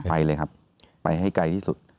ไปเลยครับไปให้ไกลที่สุด